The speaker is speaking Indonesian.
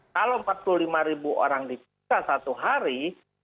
kalau empat puluh lima ribu orang diperiksa satu hari